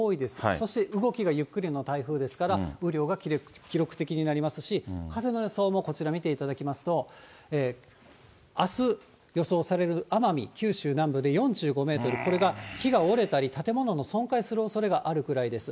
そして動きがゆっくりの台風ですから、雨量が記録的になりますし、風の予想も、こちら見ていただきますと、あす予想される奄美、九州南部で４５メートル、これが木が折れたり、建物の損壊するおそれがあるくらいです。